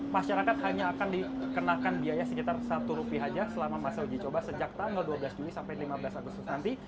masyarakat hanya akan dikenakan biaya sekitar rp satu saja selama masa uji coba sejak tanggal dua belas juni sampai lima belas agustus nanti